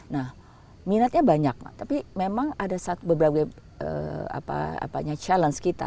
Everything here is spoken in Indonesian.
nah minatnya banyak tapi memang ada beberapa challenge kita